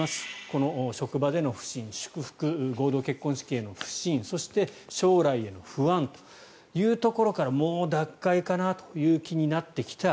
この職場での不信祝福、合同結婚式への不信そして将来への不安というところからもう脱会かなという気になってきた。